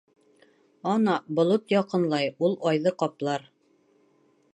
Ана болот яҡынлай, ул айҙы ҡаплар.